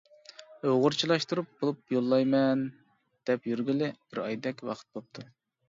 ئۇيغۇرچىلاشتۇرۇپ بولۇپ يوللايمەن دەپ يۈرگىلى بىر ئايدەك ۋاقىت بوپتۇ.